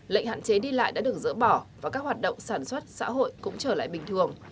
lệnh hạn chế đi lại đã được dỡ bỏ và các hoạt động sản xuất xã hội cũng trở lại bình thường